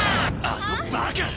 あのバカ！